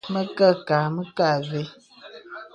Mə kə kâ , mə kə avə́.